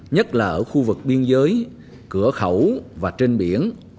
nhất là ở khu vực biên giới cửa khẩu và trên biển